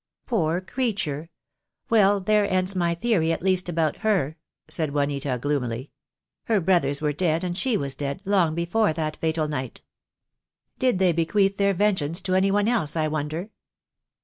"Poor creature! Well, there ends my theory, at least about her," said Juanita gloomily. "Her brothers were dead, and she was dead, long before that fatal night. Did they bequeath their vengeance to any one else, I wonder?